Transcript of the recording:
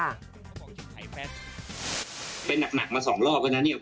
ไปหนักมาสองรอบแล้วนะเนี่ย